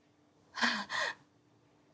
ああ！